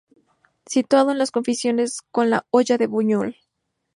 Situado en los confines con la Hoya de Buñol.